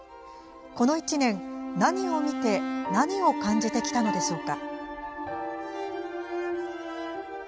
この１年、何を見て何を感じてきたのでしょうか。